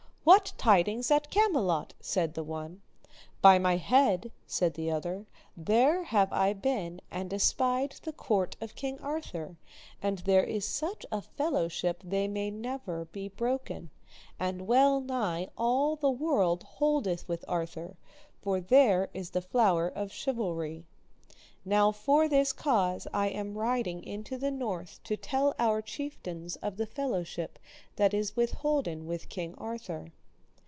What tidings at Camelot? said the one. By my head, said the other, there have I been and espied the court of King Arthur, and there is such a fellowship they may never be broken, and well nigh all the world holdeth with Arthur, for there is the flower of chivalry. Now for this cause I am riding into the north, to tell our chieftains of the fellowship that is withholden with King Arthur.